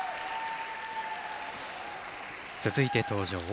続いて登場